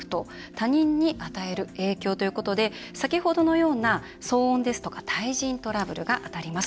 他人に与える影響ということで先ほどのような騒音ですとか対人トラブルが当たります。